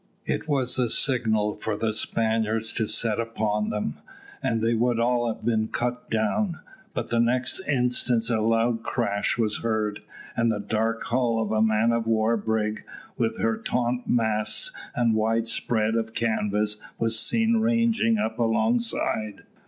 It was the signal for the Spaniards to set upon them, and they would all have been cut down, but the next instant a loud crash was heard, and the dark hull of a man of war brig, with her taunt masts and wide spread of canvas, was seen ranging up alongside.